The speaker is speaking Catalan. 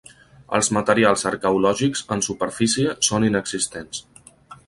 Els materials arqueològics en superfície són inexistents.